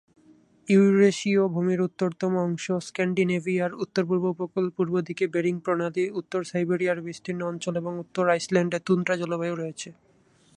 ইউরেশীয় ভূমির উত্তরতম অংশ, স্ক্যান্ডিনেভিয়ার উত্তর-পূর্ব উপকূল, পূর্বদিকে বেরিং প্রণালী, উত্তর সাইবেরিয়ার বিস্তীর্ণ অঞ্চল এবং উত্তর আইসল্যান্ডে তুন্দ্রা জলবায়ু রয়েছে।